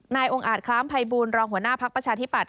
องค์อาจคล้ามภัยบูรณรองหัวหน้าภักดิ์ประชาธิปัตย